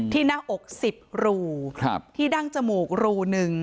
ที่หน้าอก๑๐รูที่ดั้งจมูก๑รู